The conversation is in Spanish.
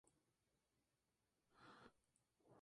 Además, formará pareja de nueva cuenta con Fernando Fernández.